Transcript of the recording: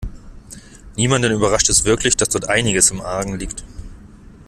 Niemanden überrascht es wirklich, dass dort einiges im Argen liegt.